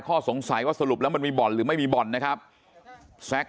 ข้อสงสัยว่าสรุปแล้วมันมีบ่อนหรือไม่มีบ่อนนะครับแซ็ก